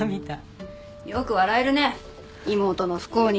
よく笑えるね妹の不幸に。